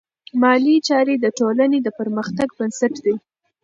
مالي چارې د ټولنې د پرمختګ بنسټ دی.